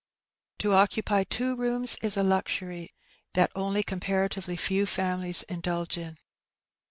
'* To occupy two rooms is a luxury that only comparatively few families indulge in.